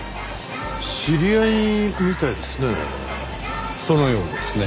知り合いみたいですね。